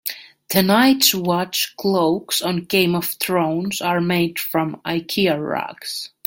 The night watch cloaks on Game of Thrones are made from Ikea rugs.